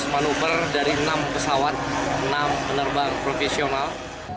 lima belas manuver dari enam pesawat enam penerbang profesional